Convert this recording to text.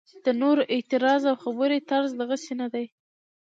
د نورو اعتراض او خبرې طرز دغسې نه دی.